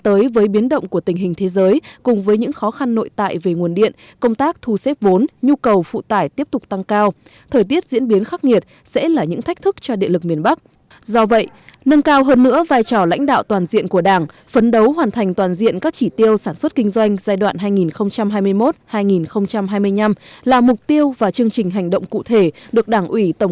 tổng công ty điện lực miền bắc thực hiện trong giai đoạn hai nghìn một mươi năm hai nghìn hai mươi